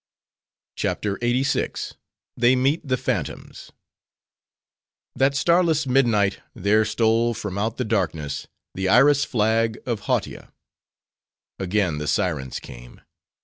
CHAPTER LXXXVI. They Meet The Phantoms That starless midnight, there stole from out the darkness, the Iris flag of Hautia. Again the sirens came.